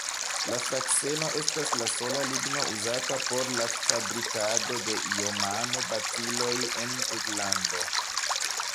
La frakseno estas la sola ligno uzata por la fabrikado de iomano-batiloj en Irlando.